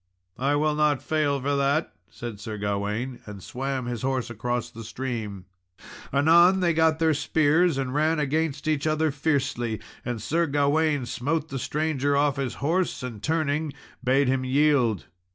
"I will not fail for that," said Sir Gawain; and swam his horse across the stream. Anon they got their spears, and ran against each other fiercely; and Sir Gawain smote the stranger off his horse, and turning, bade him yield.